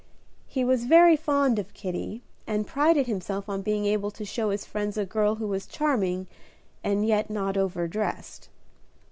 He was very fond of Kitty, and prided himself on being able to show his friends a girl who was charming, and yet not over dressed.